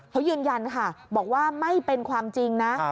เขายืนยันค่ะบอกว่าไม่เป็นความจริงนะ